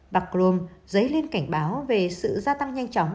bà grom dấy lên cảnh báo về sự gia tăng nhanh chóng